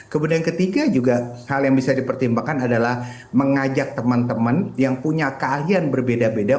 kemudian yang ketiga juga hal yang bisa dipertimbangkan adalah mengajak teman teman yang punya keahlian berbeda beda